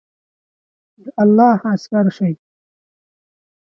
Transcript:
د الله عسکر شئ!